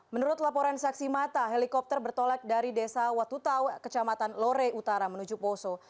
menurut laporan saksi mata helikopter bertolak dari desa watutau kecamatan lore utara menuju poso